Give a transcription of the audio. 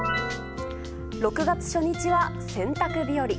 ６月初日は洗濯日和。